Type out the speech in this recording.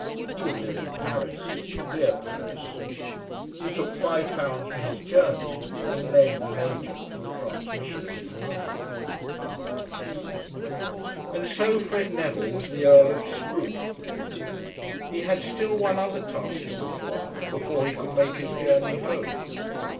He would live in Paris, dear Paris. He took five pounds for his journey, and named an agent for the transmission of his money. And so Fred Neville was the Earl of Scroope. He had still one other task to perform before he could make his journey home.